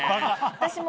私も。